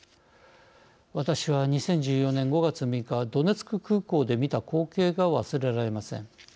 私は、２０１４年５月６日ドネツク空港で見た光景が忘れられません。